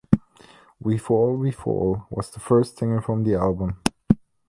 "We Fall, We Fall" was the first single from the album.